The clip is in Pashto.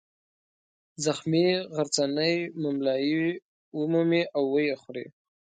زخمي غرڅنۍ مُملایي ومومي او ویې خوري.